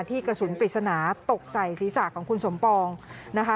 กระสุนปริศนาตกใส่ศีรษะของคุณสมปองนะคะ